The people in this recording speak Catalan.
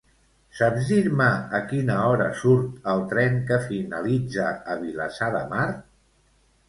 Saps dir-me a quina hora surt el tren que finalitza a Vilassar de Mar?